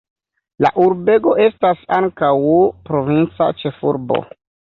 La urbego estas ankaŭ provinca ĉefurbo.